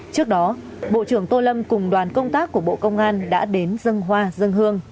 trước đó bộ trưởng tô lâm cùng đoàn công tác của bộ công an đã đến dân hoa dân hương